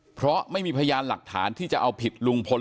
เพราะไม่มีพยานหลักฐานที่จะเอาผิดลุงพล